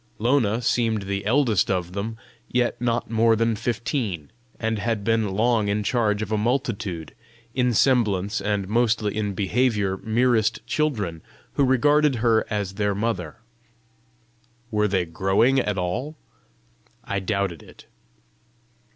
Lona seemed the eldest of them, yet not more than fifteen, and had been long in charge of a multitude, in semblance and mostly in behaviour merest children, who regarded her as their mother! Were they growing at all? I doubted it.